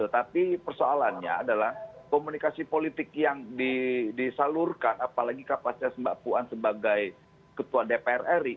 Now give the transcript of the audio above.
tapi persoalannya adalah komunikasi politik yang disalurkan apalagi kapasitas mbak puan sebagai ketua dpr ri